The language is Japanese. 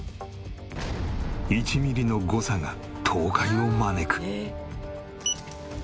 １ミリの誤差が倒壊を招く。